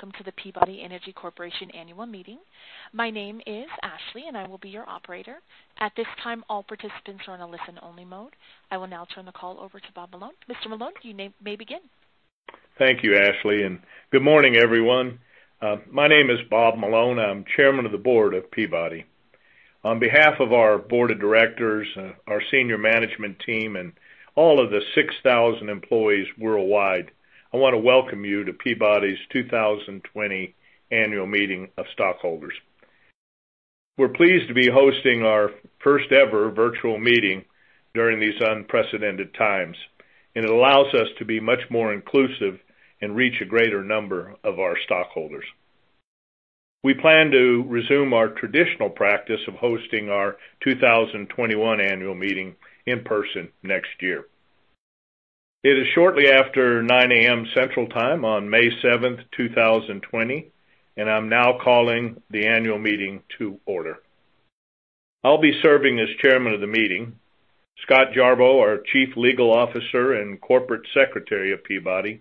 Welcome to the Peabody Energy Corporation Annual Meeting. My name is Ashley, and I will be your operator. At this time, all participants are in a listen-only mode. I will now turn the call over to Bob Malone. Mr. Malone, you may begin. Thank you, Ashley. Good morning, everyone. My name is Bob Malone. I'm Chairman of the Board of Peabody. On behalf of our board of directors, our senior management team, and all of the 6,000 employees worldwide, I want to welcome you to Peabody's 2020 Annual Meeting of Stockholders. We're pleased to be hosting our first-ever virtual meeting during these unprecedented times, and it allows us to be much more inclusive and reach a greater number of our stockholders. We plan to resume our traditional practice of hosting our 2021 annual meeting in person next year. It is shortly after 9:00 A.M. Central Time on May 7th, 2020, and I'm now calling the annual meeting to order. I'll be serving as chairman of the meeting. Scott Jarboe, our Chief Legal Officer and Corporate Secretary of Peabody,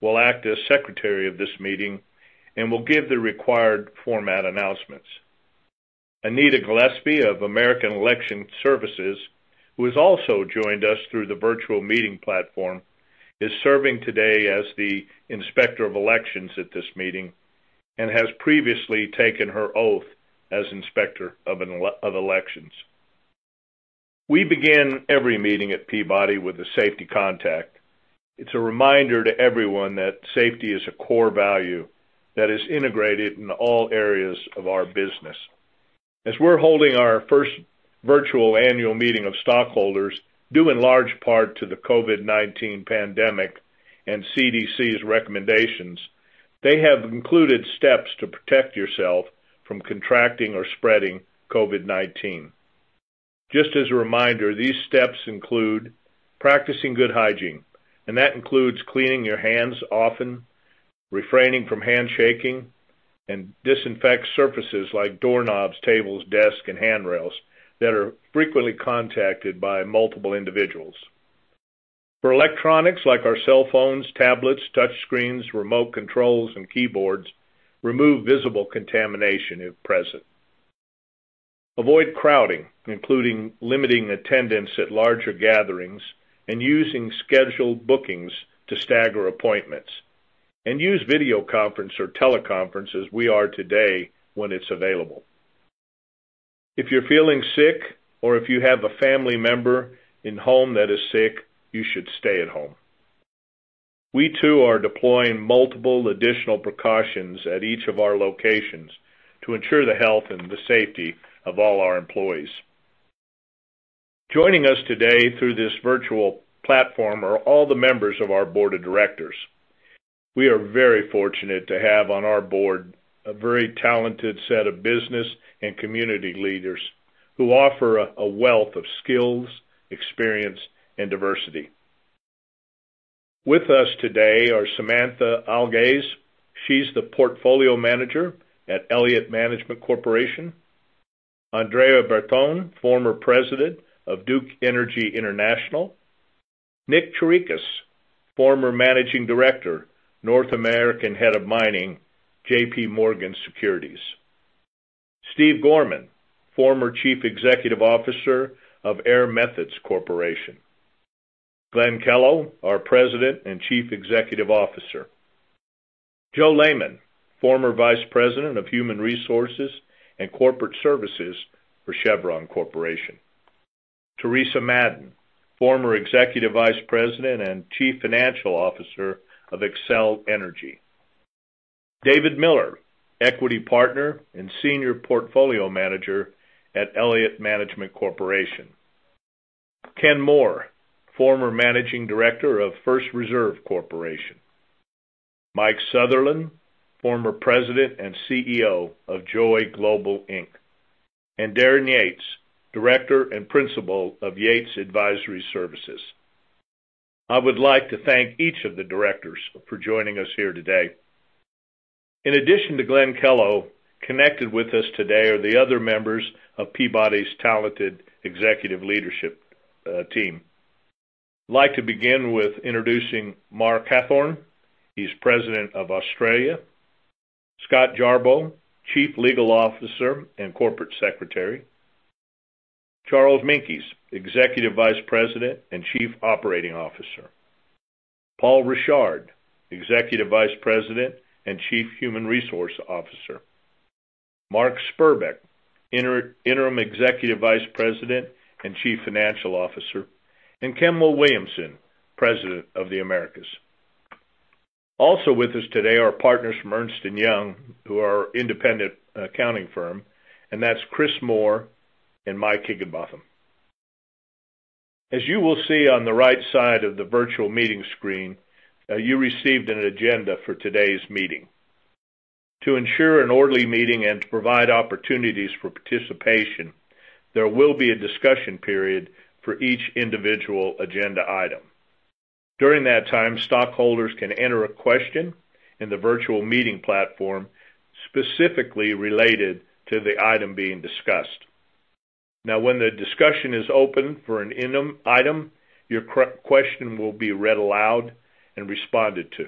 will act as secretary of this meeting and will give the required format announcements. Anita Gillespie of American Election Services, who has also joined us through the virtual meeting platform, is serving today as the Inspector of Elections at this meeting and has previously taken her oath as Inspector of Elections. We begin every meeting at Peabody with a safety contact. It's a reminder to everyone that safety is a core value that is integrated in all areas of our business. As we're holding our first virtual annual meeting of stockholders due in large part to the COVID-19 pandemic and CDC's recommendations, they have included steps to protect yourself from contracting or spreading COVID-19. Just as a reminder, these steps include practicing good hygiene, and that includes cleaning your hands often, refraining from handshaking, and disinfect surfaces like doorknobs, tables, desks, and handrails that are frequently contacted by multiple individuals. For electronics like our cell phones, tablets, touchscreens, remote controls, and keyboards, remove visible contamination if present. Avoid crowding, including limiting attendance at larger gatherings and using scheduled bookings to stagger appointments. Use video conference or teleconference as we are today when it's available. If you're feeling sick or if you have a family member in home that is sick, you should stay at home. We too are deploying multiple additional precautions at each of our locations to ensure the health and the safety of all our employees. Joining us today through this virtual platform are all the members of our board of directors. We are very fortunate to have on our board a very talented set of business and community leaders who offer a wealth of skills, experience, and diversity. With us today are Samantha Algaze. She's the Portfolio Manager at Elliott Management Corporation. Andrea Bertone, former President of Duke Energy International. Nick Chirekos, former Managing Director, North American Head of Mining, JPMorgan Securities. Steve Gorman, former Chief Executive Officer of Air Methods Corporation. Glenn Kellow, our President and Chief Executive Officer. Joe Laymon, former Vice President of Human Resources and Corporate Services for Chevron Corporation. Teresa Madden, former Executive Vice President and Chief Financial Officer of Xcel Energy. David Miller, Equity Partner and Senior Portfolio Manager at Elliott Management Corporation. Ken Moore, former Managing Director of First Reserve Corporation. Mike Sutherlin, former President and CEO of Joy Global Inc. Darren Yeates, Director and Principal of Yeates Advisory Services. I would like to thank each of the directors for joining us here today. In addition to Glenn Kellow, connected with us today are the other members of Peabody's talented executive leadership team. I'd like to begin with introducing Marc Hathhorn. He's President of Australia. Scott Jarboe, Chief Legal Officer and Corporate Secretary. Charles Meintjes, Executive Vice President and Chief Operating Officer. Paul Richard, Executive Vice President and Chief Human Resource Officer. Mark Spurbeck, Interim Executive Vice President and Chief Financial Officer. Kemal Williamson, President of the Americas. Also with us today are partners from Ernst & Young, who are our independent accounting firm, and that's Chris Moore and Mike Higginbotham. As you will see on the right side of the virtual meeting screen, you received an agenda for today's meeting. To ensure an orderly meeting and to provide opportunities for participation, there will be a discussion period for each individual agenda item. During that time, stockholders can enter a question in the virtual meeting platform specifically related to the item being discussed. Now when the discussion is open for an item, your question will be read aloud and responded to,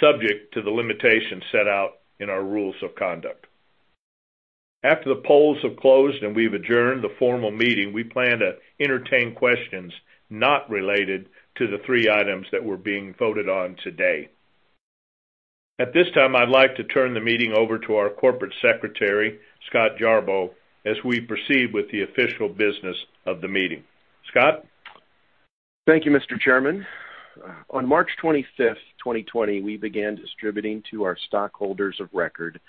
subject to the limitations set out in our rules of conduct. After the polls have closed and we've adjourned the formal meeting, we plan to entertain questions not related to the three items that were being voted on today. At this time, I'd like to turn the meeting over to our Corporate Secretary, Scott Jarboe, as we proceed with the official business of the meeting. Scott? Thank you, Mr. Chairman. On March 25th, 2020, we began distributing to our stockholders of record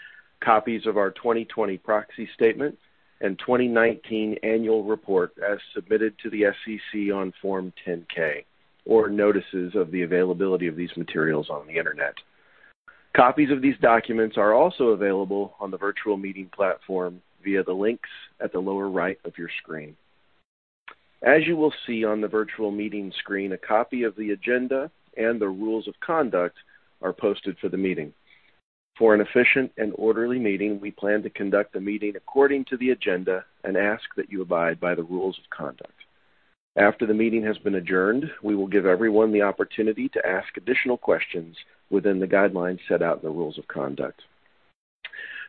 copies of our 2020 proxy statement and 2019 annual report as submitted to the SEC on Form 10-K, or notices of the availability of these materials on the internet. Copies of these documents are also available on the virtual meeting platform via the links at the lower right of your screen. As you will see on the virtual meeting screen, a copy of the agenda and the rules of conduct are posted for the meeting. For an efficient and orderly meeting, we plan to conduct the meeting according to the agenda and ask that you abide by the rules of conduct. After the meeting has been adjourned, we will give everyone the opportunity to ask additional questions within the guidelines set out in the rules of conduct.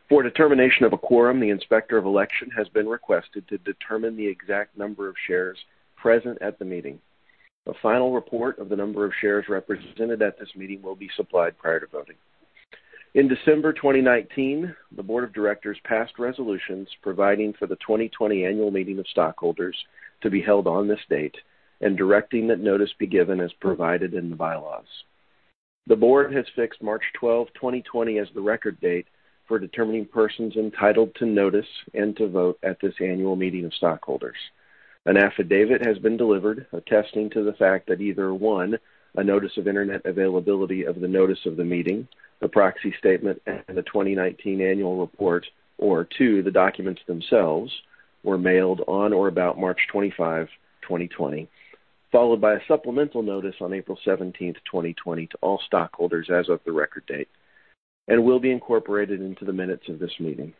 For determination of a quorum, the Inspector of Election has been requested to determine the exact number of shares present at the meeting. The final report of the number of shares represented at this meeting will be supplied prior to voting. In December 2019, the board of directors passed resolutions providing for the 2020 annual meeting of stockholders to be held on this date and directing that notice be given as provided in the bylaws. The board has fixed March 12, 2020, as the record date for determining persons entitled to notice and to vote at this annual meeting of stockholders. An affidavit has been delivered attesting to the fact that either, one, a notice of internet availability of the notice of the meeting, the proxy statement, and the 2019 annual report, or two, the documents themselves were mailed on or about March 25, 2020, followed by a supplemental notice on April 17th, 2020, to all stockholders as of the record date and will be incorporated into the minutes of this meeting.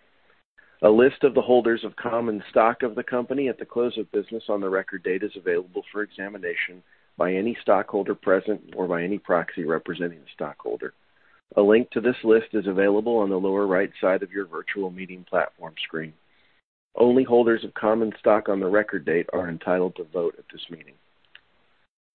A list of the holders of common stock of the company at the close of business on the record date is available for examination by any stockholder present or by any proxy representing the stockholder. A link to this list is available on the lower right side of your virtual meeting platform screen. Only holders of common stock on the record date are entitled to vote at this meeting.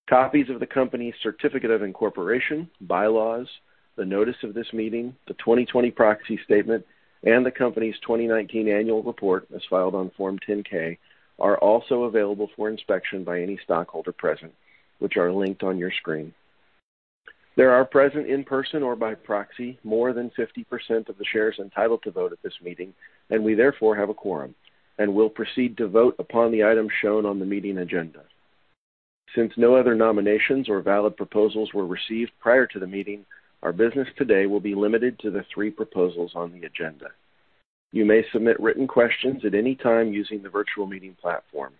Copies of the company's certificate of incorporation, bylaws, the notice of this meeting, the 2020 proxy statement, and the company's 2019 annual report as filed on Form 10-K are also available for inspection by any stockholder present, which are linked on your screen. There are present in person or by proxy more than 50% of the shares entitled to vote at this meeting, and we therefore have a quorum and will proceed to vote upon the items shown on the meeting agenda. Since no other nominations or valid proposals were received prior to the meeting, our business today will be limited to the three proposals on the agenda. You may submit written questions at any time using the virtual meeting platform.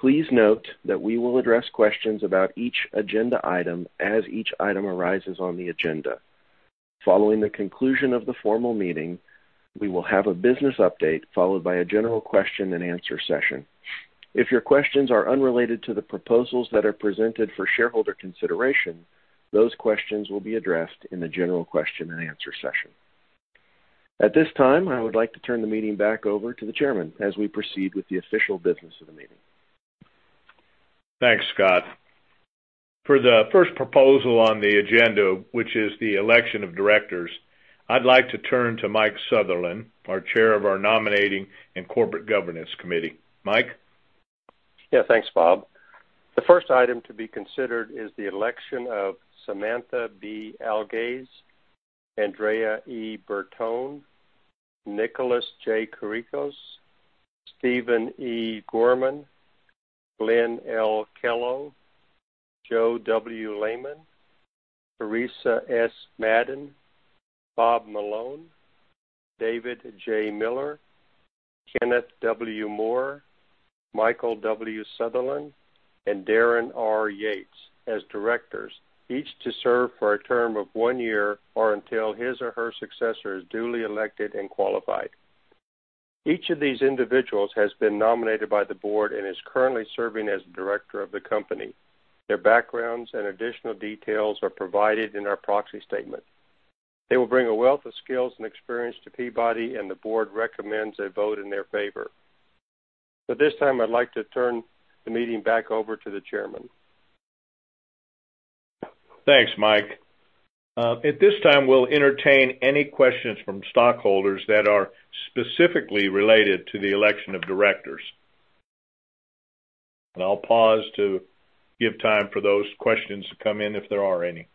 Please note that we will address questions about each agenda item as each item arises on the agenda. Following the conclusion of the formal meeting, we will have a business update followed by a general question and answer session. If your questions are unrelated to the proposals that are presented for shareholder consideration, those questions will be addressed in the general question and answer session. At this time, I would like to turn the meeting back over to the chairman as we proceed with the official business of the meeting. Thanks, Scott. For the first proposal on the agenda, which is the election of directors, I'd like to turn to Mike Sutherlin, our Chair of our Nominating and Corporate Governance Committee. Mike? Thanks, Bob. The first item to be considered is the election of Samantha B. Algaze, Andrea E. Bertone, Nicholas J. Chirekos, Stephen E. Gorman, Glenn L. Kellow, Joe W. Laymon, Teresa S. Madden, Bob Malone, David J. Miller, Kenneth W. Moore, Michael W. Sutherlin, and Darren R. Yeates as Directors, each to serve for a term of one year or until his or her successor is duly elected and qualified. Each of these individuals has been nominated by the Board and is currently serving as a director of the company. Their backgrounds and additional details are provided in our proxy statement. They will bring a wealth of skills and experience to Peabody, and the Board recommends a vote in their favor. At this time, I'd like to turn the meeting back over to the Chairman. Thanks, Mike. At this time, we'll entertain any questions from stockholders that are specifically related to the election of directors. I'll pause to give time for those questions to come in if there are any.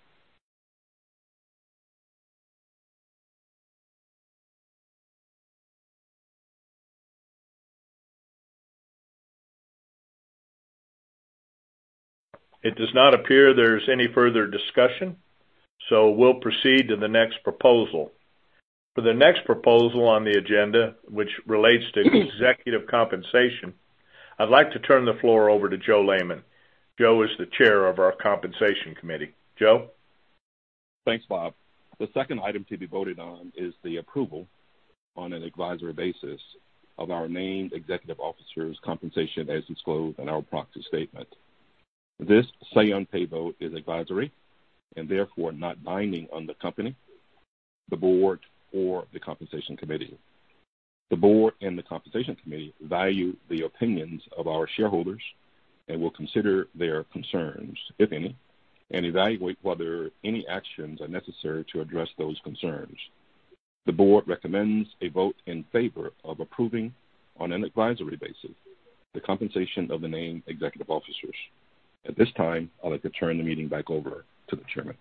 It does not appear there's any further discussion, so we'll proceed to the next proposal. For the next proposal on the agenda, which relates to executive compensation, I'd like to turn the floor over to Joe Laymon. Joe is the Chair of our Compensation Committee. Joe? Thanks, Bob. The second item to be voted on is the approval on an advisory basis of our named executive officers' compensation as disclosed in our proxy statement. This say on pay vote is advisory and therefore not binding on the company, the board, or the compensation committee. The board and the compensation committee value the opinions of our shareholders and will consider their concerns, if any, and evaluate whether any actions are necessary to address those concerns. The board recommends a vote in favor of approving, on an advisory basis, the compensation of the named executive officers. At this time, I'd like to turn the meeting back over to the Chairman.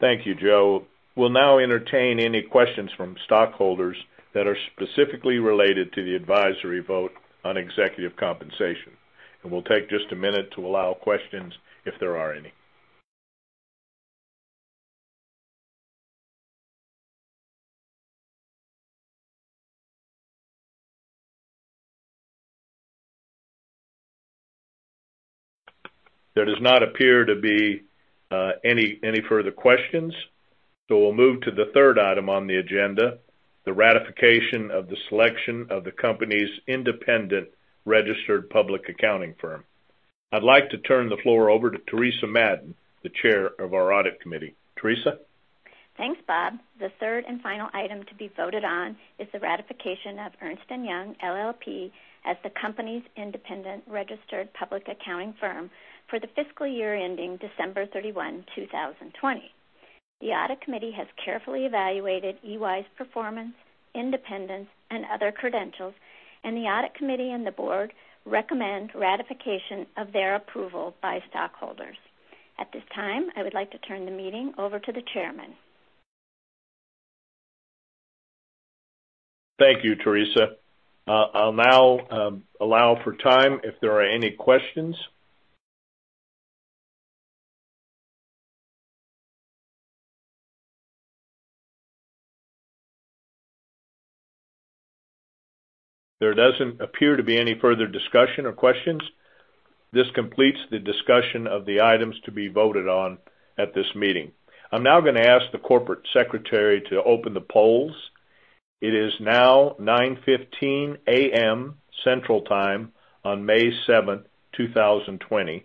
Thank you, Joe. We'll now entertain any questions from stockholders that are specifically related to the advisory vote on executive compensation. We'll take just a minute to allow questions if there are any. There does not appear to be any further questions, so we'll move to the third item on the agenda, the ratification of the selection of the company's independent registered public accounting firm. I'd like to turn the floor over to Teresa Madden, the Chair of our Audit Committee. Teresa? Thanks, Bob. The third and final item to be voted on is the ratification of Ernst & Young LLP as the company's independent registered public accounting firm for the fiscal year ending December 31, 2020. The Audit Committee has carefully evaluated EY's performance, independence, and other credentials, and the Audit Committee and the board recommend ratification of their approval by stockholders. At this time, I would like to turn the meeting over to the Chairman. Thank you, Teresa. I'll now allow for time if there are any questions. There doesn't appear to be any further discussion or questions. This completes the discussion of the items to be voted on at this meeting. I'm now going to ask the Corporate Secretary to open the polls. It is now 9:15 A.M. Central Time on May 7, 2020,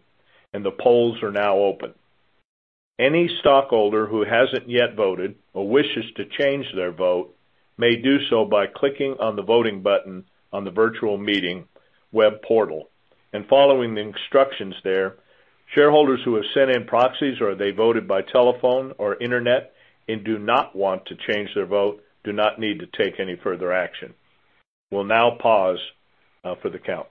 and the polls are now open. Any stockholder who hasn't yet voted or wishes to change their vote may do so by clicking on the voting button on the virtual meeting web portal and following the instructions there. Shareholders who have sent in proxies or they voted by telephone or internet and do not want to change their vote do not need to take any further action. We'll now pause for the count.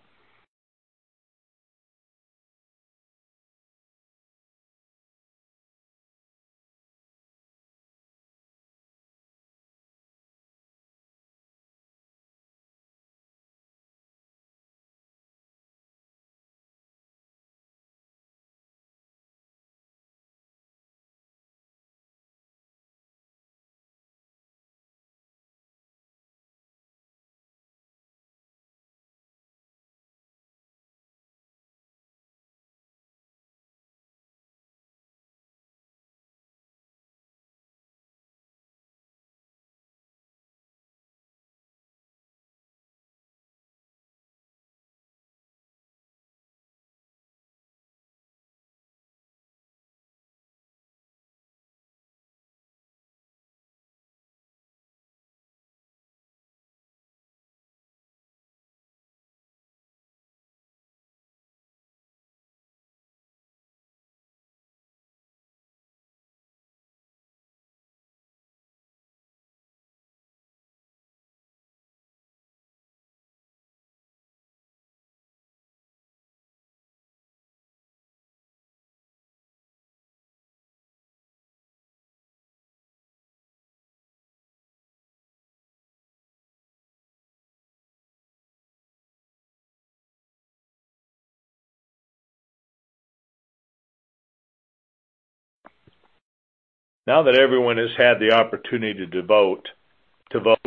Now that everyone has had the opportunity to vote,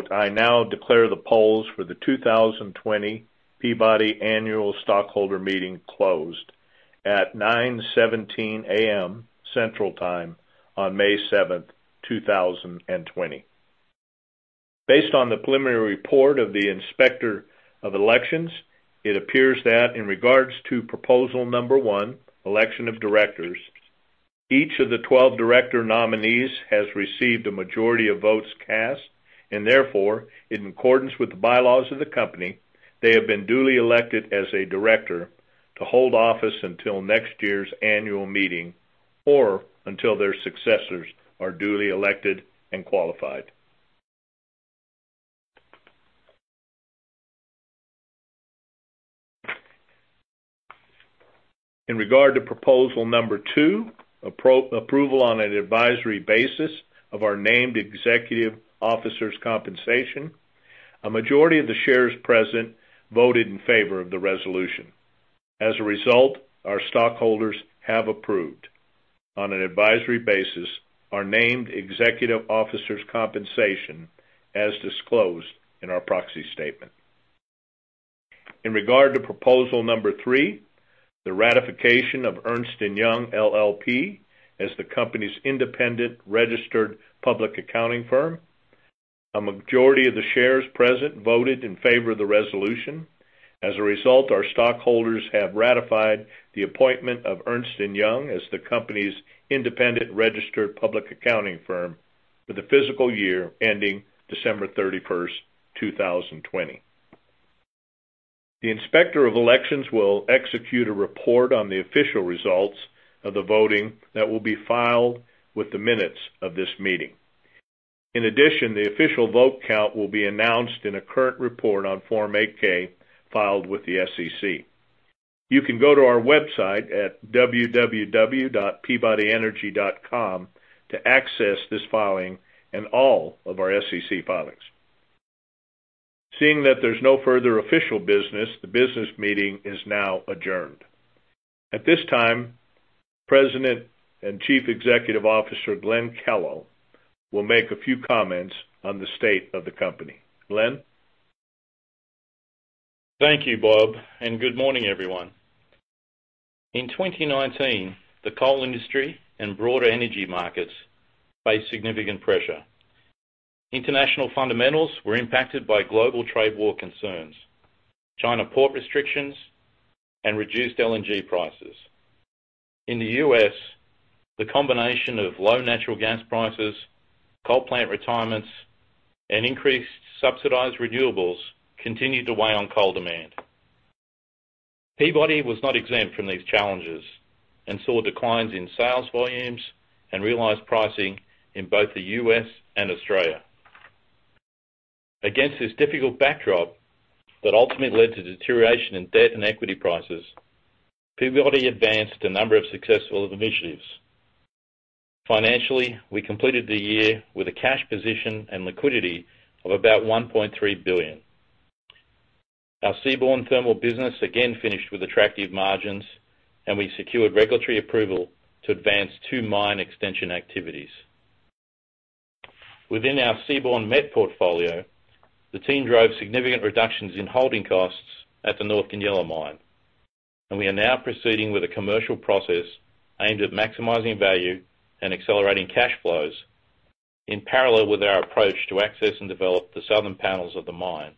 I now declare the polls for the 2020 Peabody Annual Stockholder Meeting closed at 9:17 A.M. Central Time on May 7th, 2020. Based on the preliminary report of the Inspector of Elections, it appears that in regards to proposal number one, election of directors, each of the 12 director nominees has received a majority of votes cast. Therefore, in accordance with the bylaws of the company, they have been duly elected as a director to hold office until next year's annual meeting or until their successors are duly elected and qualified. In regard to proposal number one, approval on an advisory basis of our named executive officers' compensation, a majority of the shares present voted in favor of the resolution. As a result, our stockholders have approved, on an advisory basis, our named executive officers' compensation as disclosed in our proxy statement. In regard to proposal number three, the ratification of Ernst & Young LLP as the company's independent registered public accounting firm. A majority of the shares present voted in favor of the resolution. As a result, our stockholders have ratified the appointment of Ernst & Young as the company's independent registered public accounting firm for the fiscal year ending December 31st, 2020. The Inspector of Elections will execute a report on the official results of the voting that will be filed with the minutes of this meeting. In addition, the official vote count will be announced in a current report on Form 8-K filed with the SEC. You can go to our website at www.peabodyenergy.com to access this filing and all of our SEC filings. Seeing that there's no further official business, the business meeting is now adjourned. At this time, President and Chief Executive Officer Glenn Kellow will make a few comments on the state of the company. Glenn? Thank you, Bob. Good morning, everyone. In 2019, the coal industry and broader energy markets faced significant pressure. International fundamentals were impacted by global trade war concerns, China port restrictions, and reduced LNG prices. In the U.S., the combination of low natural gas prices, coal plant retirements, and increased subsidized renewables continued to weigh on coal demand. Peabody was not exempt from these challenges and saw declines in sales volumes and realized pricing in both the U.S. and Australia. Against this difficult backdrop that ultimately led to deterioration in debt and equity prices, Peabody advanced a number of successful initiatives. Financially, we completed the year with a cash position and liquidity of about $1.3 billion. Our seaborne thermal business again finished with attractive margins, and we secured regulatory approval to advance two mine extension activities. Within our seaborne met portfolio, the team drove significant reductions in holding costs at the North Goonyella mine. We are now proceeding with a commercial process aimed at maximizing value and accelerating cash flows in parallel with our approach to access and develop the southern panels of the mine.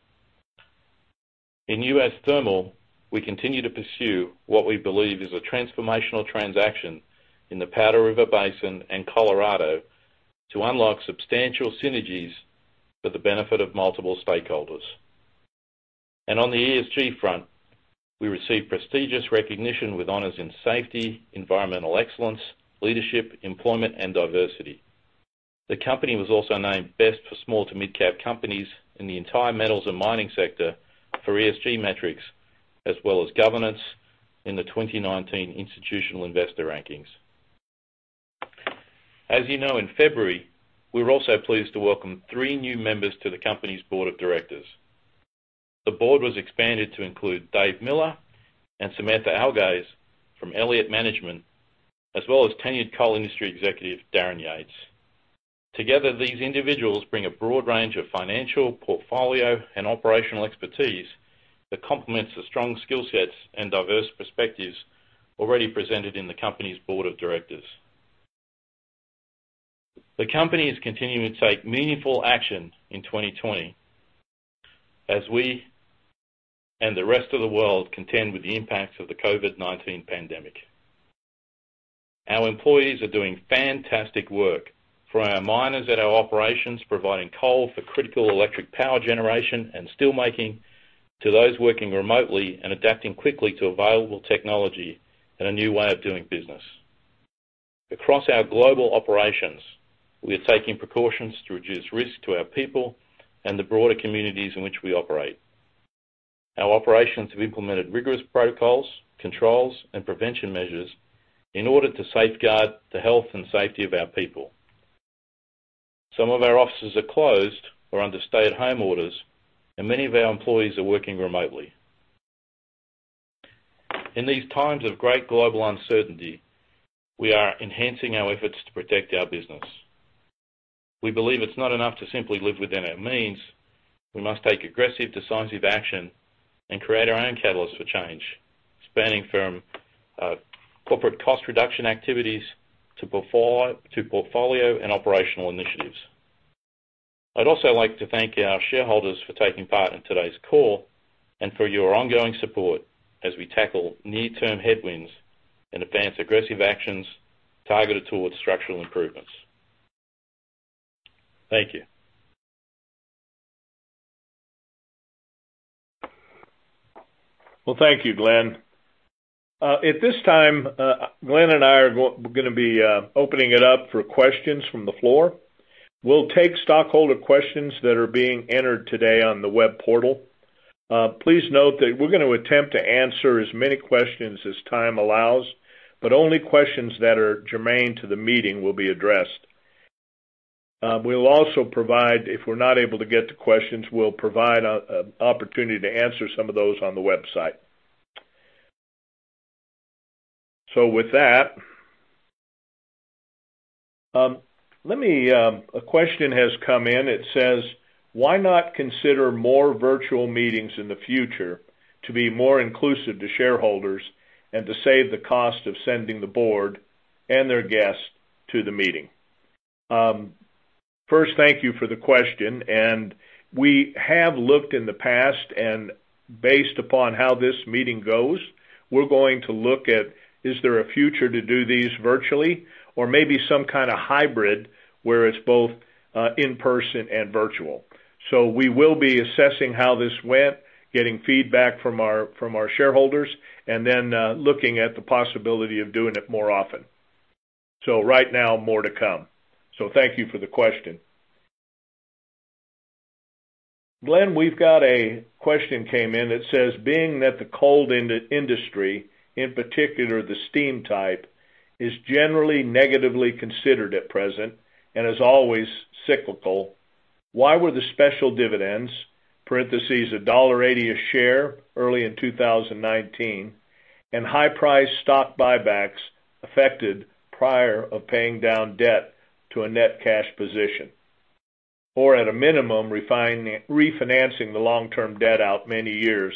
In U.S. thermal, we continue to pursue what we believe is a transformational transaction in the Powder River Basin and Colorado to unlock substantial synergies for the benefit of multiple stakeholders. On the ESG front, we received prestigious recognition with honors in safety, environmental excellence, leadership, employment, and diversity. The company was also named best for small to midcap companies in the entire metals and mining sector for ESG metrics, as well as governance in the 2019 institutional investor rankings. As you know, in February, we were also pleased to welcome three new members to the company's board of directors. The board was expanded to include Dave Miller and Samantha Algaze from Elliott Management, as well as tenured coal industry executive Darren Yeates. Together, these individuals bring a broad range of financial portfolio and operational expertise that complements the strong skill sets and diverse perspectives already presented in the company's board of directors. The company is continuing to take meaningful action in 2020 as we and the rest of the world contend with the impacts of the COVID-19 pandemic. Our employees are doing fantastic work, from our miners at our operations, providing coal for critical electric power generation and steel making, to those working remotely and adapting quickly to available technology and a new way of doing business. Across our global operations, we are taking precautions to reduce risk to our people and the broader communities in which we operate. Our operations have implemented rigorous protocols, controls, and prevention measures in order to safeguard the health and safety of our people. Some of our offices are closed or under stay-at-home orders, and many of our employees are working remotely. In these times of great global uncertainty, we are enhancing our efforts to protect our business. We believe it's not enough to simply live within our means. We must take aggressive, decisive action and create our own catalyst for change, spanning from corporate cost reduction activities to portfolio and operational initiatives. I'd also like to thank our shareholders for taking part in today's call and for your ongoing support as we tackle near-term headwinds and advance aggressive actions targeted towards structural improvements. Thank you. Well, thank you, Glenn. At this time, Glenn and I are going to be opening it up for questions from the floor. We'll take stockholder questions that are being entered today on the web portal. Please note that we're going to attempt to answer as many questions as time allows, but only questions that are germane to the meeting will be addressed. If we're not able to get to questions, we'll provide an opportunity to answer some of those on the website. With that. A question has come in. It says, "Why not consider more virtual meetings in the future to be more inclusive to shareholders and to save the cost of sending the board and their guests to the meeting?" First, thank you for the question. We have looked in the past, and based upon how this meeting goes, we're going to look at, is there a future to do these virtually or maybe some kind of hybrid where it's both in-person and virtual? We will be assessing how this went, getting feedback from our shareholders, and then looking at the possibility of doing it more often. Right now, more to come. Thank you for the question. Glenn, we've got a question came in. It says, "Being that the coal industry, in particular the steam type, is generally negatively considered at present and is always cyclical, why were the special dividends, ($1.80 a share early in 2019) and high-priced stock buybacks affected prior to paying down debt to a net cash position? Or at a minimum, refinancing the long-term debt out many years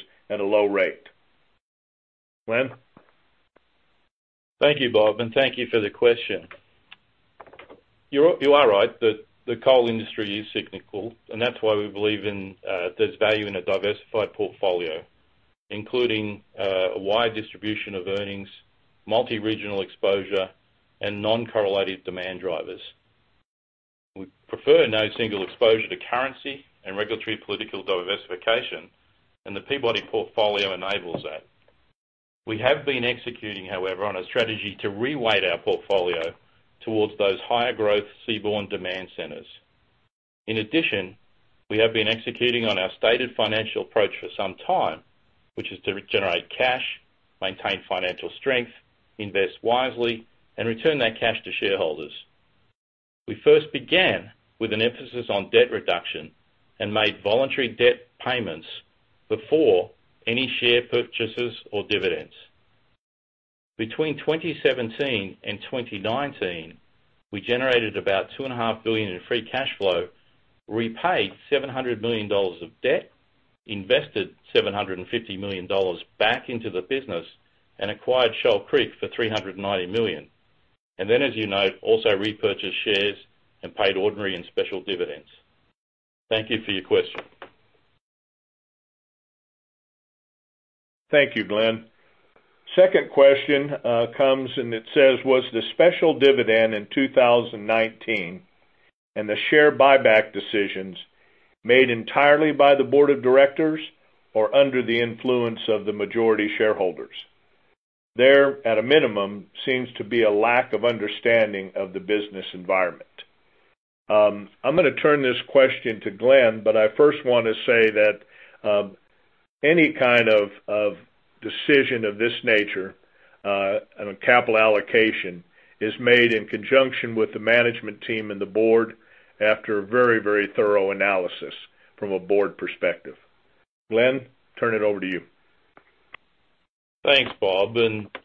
Thank you, Bob, and thank you for the question. You are right that the coal industry is cyclical, and that's why we believe there's value in a diversified portfolio, including a wide distribution of earnings, multi-regional exposure, and non-correlated demand drivers. We prefer no single exposure to currency and regulatory political diversification, and the Peabody portfolio enables that. We have been executing, however, on a strategy to re-weight our portfolio towards those higher growth seaborne demand centers. In addition, we have been executing on our stated financial approach for some time, which is to generate cash, maintain financial strength, invest wisely, and return that cash to shareholders. We first began with an emphasis on debt reduction and made voluntary debt payments before any share purchases or dividends. Between 2017 and 2019, we generated about $2.5 billion in free cash flow, repaid $700 million of debt, invested $750 million back into the business, acquired Shoal Creek for $390 million. As you note, also repurchased shares and paid ordinary and special dividends. Thank you for your question. Thank you, Glenn. Second question comes and it says, "Was the special dividend in 2019 and the share buyback decisions made entirely by the board of directors or under the influence of the majority shareholders? There, at a minimum, seems to be a lack of understanding of the business environment." I first want to say that any kind of decision of this nature on a capital allocation is made in conjunction with the management team and the board after a very thorough analysis from a board perspective. Glenn, turn it over to you. Thanks, Bob.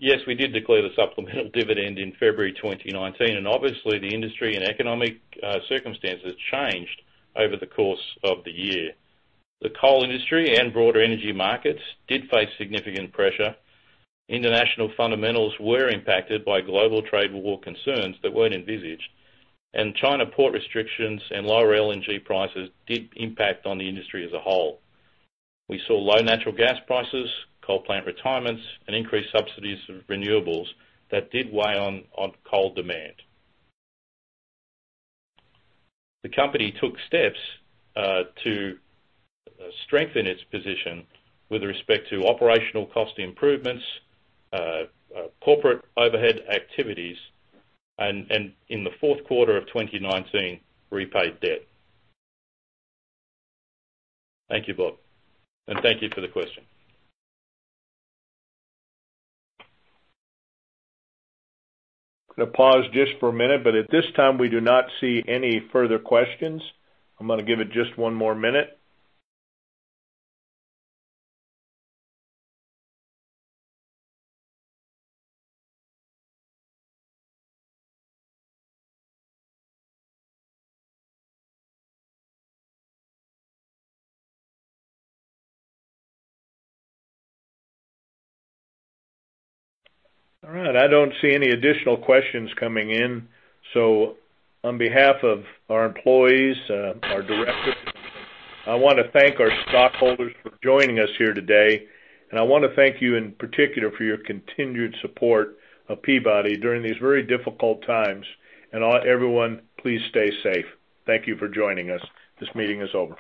Yes, we did declare the supplemental dividend in February 2019, and obviously the industry and economic circumstances changed over the course of the year. The coal industry and broader energy markets did face significant pressure. International fundamentals were impacted by global trade war concerns that weren't envisaged. China port restrictions and lower LNG prices did impact on the industry as a whole. We saw low natural gas prices, coal plant retirements, and increased subsidies of renewables that did weigh on coal demand. The company took steps to strengthen its position with respect to operational cost improvements, corporate overhead activities, and in the fourth quarter of 2019, repaid debt. Thank you, Bob, and thank you for the question. I'm going to pause just for a minute. At this time, we do not see any further questions. I'm going to give it just one more minute. All right. I don't see any additional questions coming in. On behalf of our employees, our directors, I want to thank our stockholders for joining us here today. I want to thank you in particular for your continued support of Peabody during these very difficult times. Everyone, please stay safe. Thank you for joining us. This meeting is over.